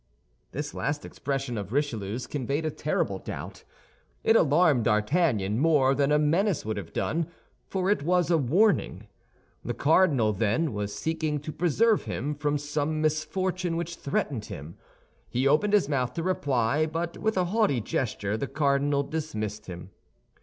This last expression of Richelieu's conveyed a terrible doubt; it alarmed D'Artagnan more than a menace would have done, for it was a warning. The cardinal, then, was seeking to preserve him from some misfortune which threatened him. He opened his mouth to reply, but with a haughty gesture the cardinal dismissed him.